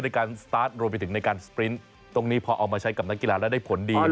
ในการสตาร์ทรวมไปถึงในการสปรินต์ตรงนี้พอเอามาใช้กับนักกีฬาแล้วได้ผลดี